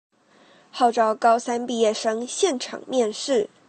號召高三畢業生現場面試